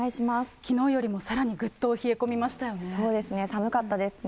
きのうよりもさらにぐっと冷え込みましたよね。